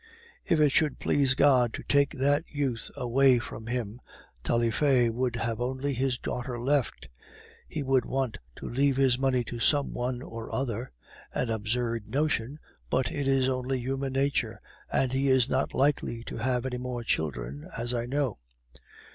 If it should please God to take that youth away from him, Taillefer would have only his daughter left; he would want to leave his money to some one or other; an absurd notion, but it is only human nature, and he is not likely to have any more children, as I know.